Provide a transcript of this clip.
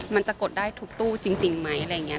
มันจะกดได้ทุกตู้จริงไหมอะไรอย่างนี้